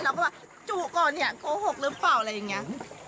เราก็แบบจุก่อนเนี่ยโกหกหรือเปล่าอะไรอย่างนี้